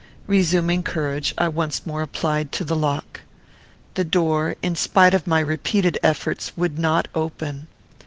Resuming courage, I once more applied to the lock. The door, in spite of my repeated efforts, would not open.